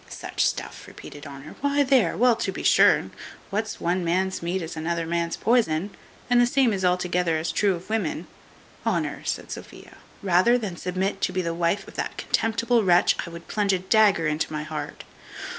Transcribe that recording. "Such stuff!" repeated Honour; "why, there. Well, to be sure, what's one man's meat is another man's poison, and the same is altogether as true of women." "Honour," says Sophia, "rather than submit to be the wife of that contemptible wretch, I would plunge a dagger into my heart."